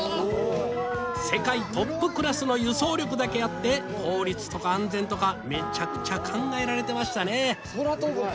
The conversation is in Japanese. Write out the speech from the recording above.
世界トップクラスの輸送力だけあって効率とか安全とかめちゃくちゃ考えられてましたね。